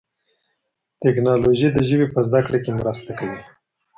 تکنالوژي د ژبي په زده کړه کي مرسته کوي.